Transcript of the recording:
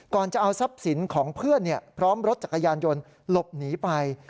จะเอาทรัพย์สินของเพื่อนพร้อมรถจักรยานยนต์หลบหนีไป